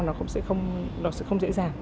nó cũng sẽ không dễ dàng